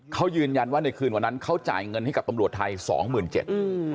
เขายืนยันว่าในคืนวันนั้นเขาจ่ายเงินให้กับตำรวจไทยสองหมื่นเจ็ดอืม